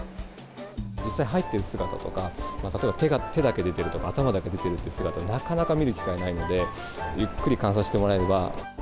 実際入っている姿とか、例えば手だけ出てるとか、頭だけ出てるっていう姿、なかなか見る機会ないので、ゆっくり観察してもらえれば。